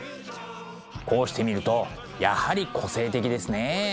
こうして見るとやはり個性的ですね。